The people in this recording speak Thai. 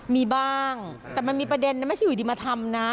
มีบ้างแต่มันมีประเด็นนะไม่ใช่อยู่ดีมาทำนะ